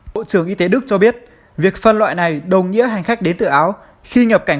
bộ trưởng y tế đức cho biết việc phân loại này đồng nghĩa hành khách đến từ áo khi nhập cảnh